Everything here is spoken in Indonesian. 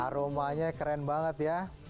aromanya keren banget ya